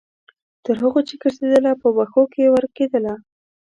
تر هغو چې ګرځیدله، په وښو کې ورکیدله